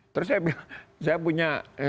terus saya punya